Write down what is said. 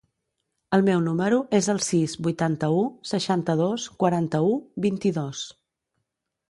El meu número es el sis, vuitanta-u, seixanta-dos, quaranta-u, vint-i-dos.